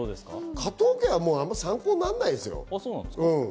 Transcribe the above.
加藤家は参考にならないですよ。